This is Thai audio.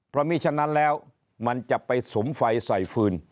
เพราะมีฉะนั้นแล้วมันจะไปสุมไฟใส่ฟืน